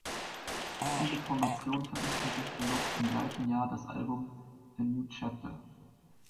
Diese Formation veröffentlichte noch im gleichen Jahr das Album "A New Chapter".